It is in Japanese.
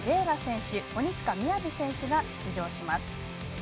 楽選手鬼塚雅選手が出場します。